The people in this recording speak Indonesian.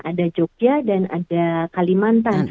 ada jogja dan ada kalimantan